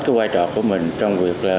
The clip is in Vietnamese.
quay trò của mình trong việc